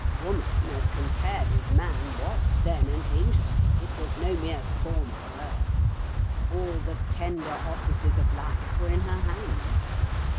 Woman, as compared with man, was then an angel: it was no mere form of words. All the tender offices of life were in her hands.